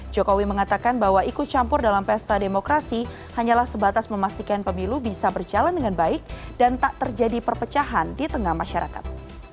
jokowi mengatakan bahwa ikut campur dalam pesta demokrasi hanyalah sebatas memastikan pemilu bisa berjalan dengan baik dan tak terjadi perpecahan di tengah masyarakat